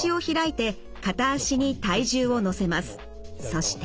そして。